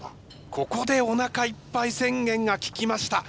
ここでおなかいっぱい宣言が効きました。